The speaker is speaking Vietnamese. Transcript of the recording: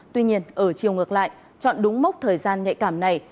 tuy nhiên ở chiều ngược lại chọn đúng mốc thời gian nhạy cảm này